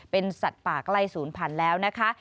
เป็นสัตว์ป่าใกล้ศูนย์พันธุ์แล้วนะคะ